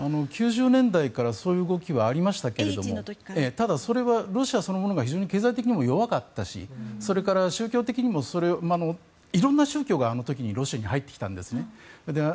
９０年代からそういう動きはありましたけれどただ、それはロシアそのものが経済的にも弱かったしそれから、宗教的にも色んな宗教があの時にロシアに入ってきたんですね。